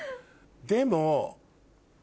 でも。